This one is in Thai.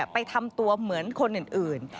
ไปทำตัวเหมือนคนอื่น